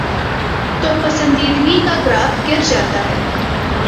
توپسندیدگی کا گراف گر جاتا ہے۔